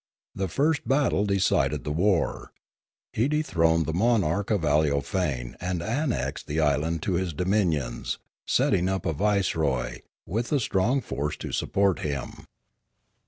The first battle decided the war. He dethroned the monarch of Aleofane and annexed the island to his dominions, setting up a viceroy, with a strong force to support him.